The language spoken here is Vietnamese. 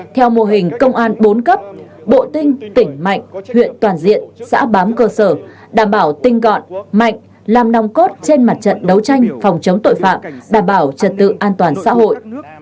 theo mô hình công an bốn cấp bộ tinh tỉnh mạnh huyện toàn diện xã bám cơ sở đảm bảo tinh gọn mạnh làm nòng cốt trên mặt trận đấu tranh phòng chống tội phạm đảm bảo trật tự an toàn xã hội